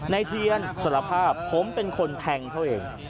ในเทียนสัญละภาพผมเป็นคนแทงเข้าเอง